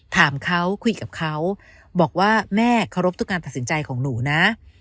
ถามเขาคุยกับเขาบอกว่าแม่เคารพทุกการตัดสินใจของหนูนะ